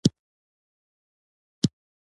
د سپوږمۍ څخه حریر